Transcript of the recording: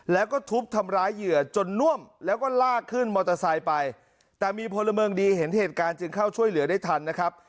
แล้วก็ทุบทำร้ายเหยื่อจนน่วมแล้วก็ลากขึ้นมอเตอร์ไซค์ไปแต่มีพลเมืองดีเห็นเหตุการณ์จึงเข้าช่วยเหลือได้ทันนะครับ